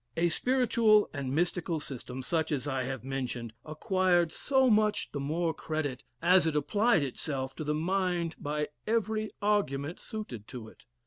A spiritual and mystical system, such as I have mentioned, acquired so much the more credit as it applied itself to the mind by every argument suited to it.